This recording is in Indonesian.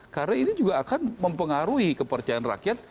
karena ini juga akan mempengaruhi kepercayaan rakyat